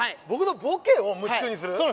僕のボケを虫食いにする？